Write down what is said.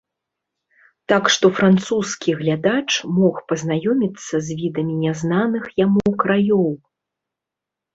Так што французскі глядач мог пазнаёміцца з відамі нязнаных яму краёў.